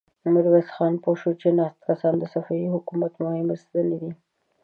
ميرويس خان پوه شو چې ناست کسان د صفوي حکومت مهمې ستنې دي.